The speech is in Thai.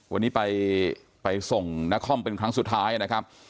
วันนี้ไปส่งนครเป็นครั้งสุดท้ายนะครับ